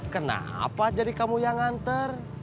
kenapa jadi kamu yang nganter